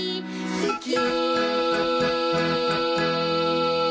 「すき」